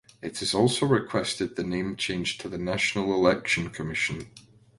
It has also requested the name change to the National Election Commission.